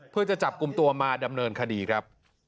เพื่อจะจับกลุ่มตัวมาดำเนินคดีครับ